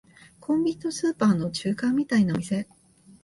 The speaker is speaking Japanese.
コンビニとスーパーの中間みたいなお店